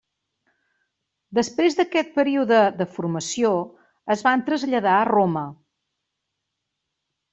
Després d'aquest període de formació es va traslladar a Roma.